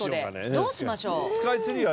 どうしましょう？